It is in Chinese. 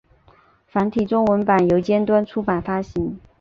繁体中文版由尖端出版发行。